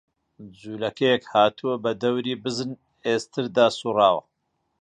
جوولەکەیەک هاتووە، بە دەوری بزن ئێستردا سووڕاوە